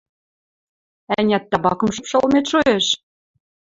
Ӓнят, табакым шыпшылмет шоэш?